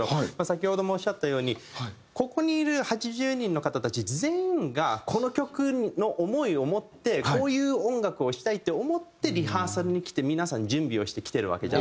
先ほどもおっしゃったようにここにいる８０人の方たち全員がこの曲の思いを持ってこういう音楽をしたいって思ってリハーサルに来て皆さん準備をしてきてるわけじゃないですか。